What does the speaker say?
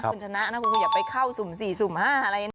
คุณชนะนะคุณครูอย่าไปเข้าสุ่ม๔สุ่ม๕อะไรนะ